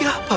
maaf ya pak